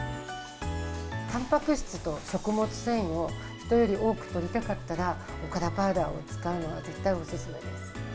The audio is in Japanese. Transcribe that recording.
たんぱく質と食物繊維を人より多くとりたかったら、おからパウダーを使うのが絶対お勧めです。